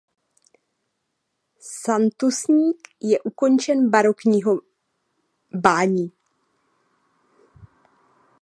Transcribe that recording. Sanktusník je ukončen barokní bání.